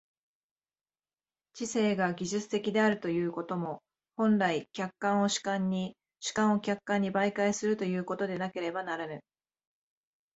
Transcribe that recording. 知性が技術的であるということも、本来、客観を主観に、主観を客観に媒介するということでなければならぬ。